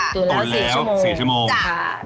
ตุ๋นแล้ว๔ชั่วโมง